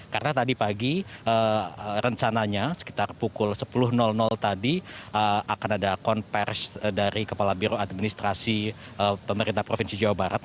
karena tadi pagi rencananya sekitar pukul sepuluh tadi akan ada konferensi dari kepala biro administrasi pemerintah provinsi jawa barat